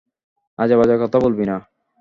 আজেবাজে কথা বলবি না!